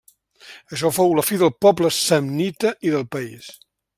Això fou la fi del poble samnita i del país.